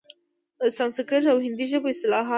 سنسکریت او هندي ژبو اصطلاح ده؛